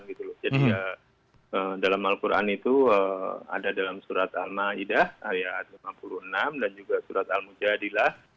jadi dalam al quran itu ada dalam surat al ma'idah ayat lima puluh enam dan juga surat al mujadilah